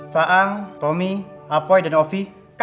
faang tommy apoy dan ovi